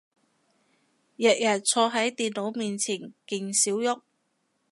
日日坐係電腦前面勁少郁